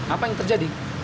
apa yang terjadi